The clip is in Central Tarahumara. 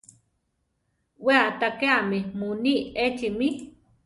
We aʼtakéame muní echi mí.